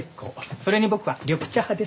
それに僕は緑茶派です。